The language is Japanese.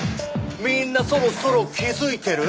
「みんなそろそろ気づいてる？」